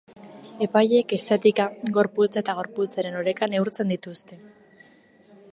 Epaileek estetika, gorputza eta gorputzaren oreka neurtzen dituzte.